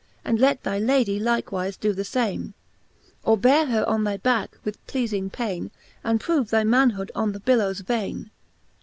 And let thy Lady like wife doe the fame; Or beare her on thy backe with pleafing payne, And prove thy manhood on the billowes vayne.